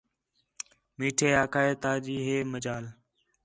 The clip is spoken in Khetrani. میٹھے آکھا ہِے تا جی ہے مجال